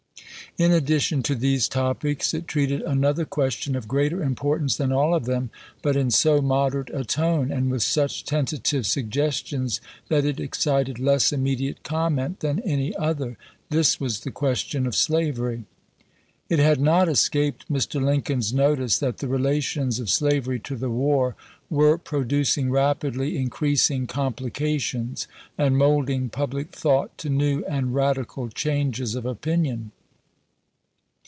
In addition to these topics, it treated another question of greater importance than all of them, but in so moderate a tone, and with such tentative suggestions, that it excited less immediate comment than any other. This was the question of slavery. It had not escaped Mr. Lincoln's notice that the relations of slavery to the war were producing rapidly increasing complications and molding pub lic thought to new and radical changes of opinion.